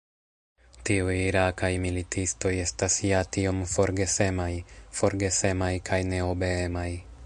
Tiuj irakaj militistoj estas ja tiom forgesemaj – forgesemaj kaj neobeemaj.